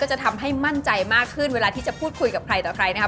จะทำให้มั่นใจมากขึ้นเวลาที่จะพูดคุยกับใครต่อใครนะครับ